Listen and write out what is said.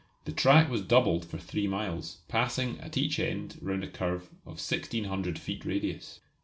The track was doubled for three miles, passing at each end round a curve of 1600 feet radius.